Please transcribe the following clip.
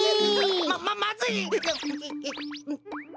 ままずい！